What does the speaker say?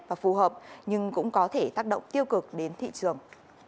và phù hợp nhưng cũng có thể tác động tiêu cực đến thị trường